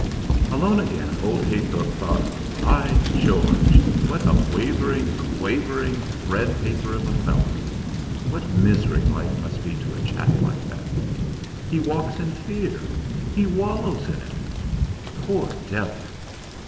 Alone again, old Heythorp thought: 'By George! What a wavering, quavering, thread paper of a fellow! What misery life must be to a chap like that! He walks in fear he wallows in it. Poor devil!'